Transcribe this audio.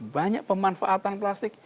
banyak pemanfaatan plastik